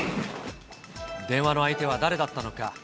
電話の相手は誰だったのか。